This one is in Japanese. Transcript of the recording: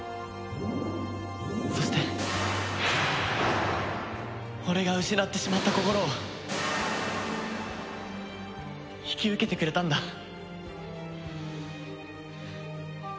そして俺が失ってしまった心を引き受けてくれたんだ。